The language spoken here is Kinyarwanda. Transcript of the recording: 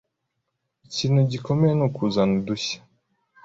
ikintu gikomeye nukuzana udushya ”